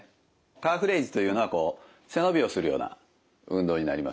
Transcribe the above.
カーフレイズというのはこう背伸びをするような運動になります。